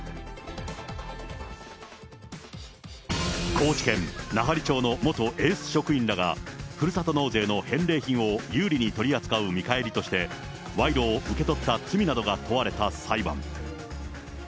高知県奈半利町の元エース職員らが、ふるさと納税の返礼品を有利に取り扱う見返りとして、賄賂を受け取った罪などが問われた裁判。